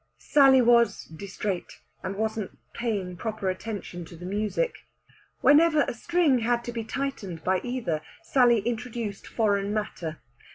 Sally was distraite, and wasn't paying proper attention to the music. Whenever a string had to be tightened by either, Sally introduced foreign matter.